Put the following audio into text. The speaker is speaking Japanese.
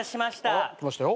あっ来ましたよ。